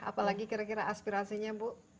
apalagi kira kira aspirasinya bu